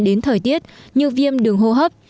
đến thời tiết như viêm đường hô hấp